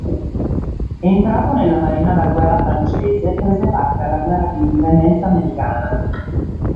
Entrato nella Marina da guerra francese, prese parte alla guerra di indipendenza americana.